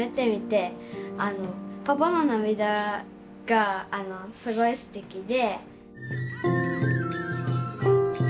パパの涙がすごいすてきで。